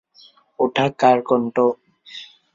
ওটা কার কন্ঠ?